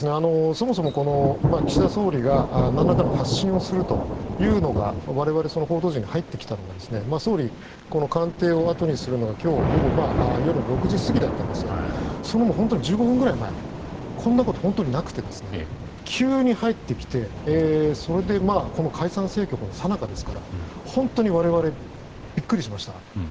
そもそも、岸田総理が何らかの発信をするというのは我々、報道陣に入ってきたのは総理、官邸をあとにするのが今日午後夜の６時過ぎだったんですが１５分くらい前こんなこと本当になくて急に入ってきてそれで、解散風のさなかですから本当に我々、ビックリしました。